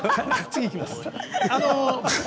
次にいきます。